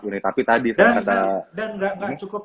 dan gak cukup